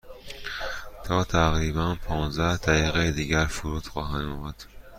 تا تقریبا پانزده دقیقه دیگر فرود خواهیم آمد.